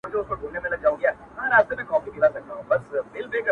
آیا په اسلامي دنیا کې دومره څوک عالم فاضل نه وو